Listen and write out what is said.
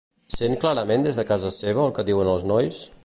Sent clarament des de casa seva el que diuen els nois?